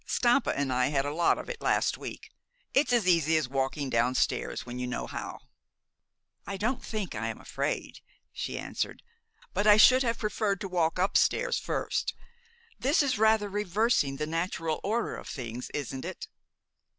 "Stampa and I had a lot of it last week. It's as easy as walking down stairs when you know how." "I don't think I am afraid," she answered; "but I should have preferred to walk up stairs first. This is rather reversing the natural order of things, isn't it?"